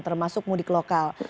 termasuk mudik lokal